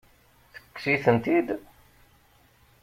Tekkes-itent-id?